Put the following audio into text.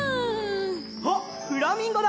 あっフラミンゴだ！